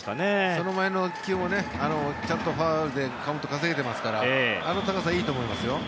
その前の１球もちゃんとファウルでカウントを稼げていますからあの高さはいいと思いますよ。